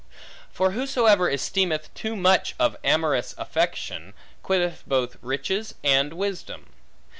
For whosoever esteemeth too much of amorous affection, quitteth both riches and wisdom.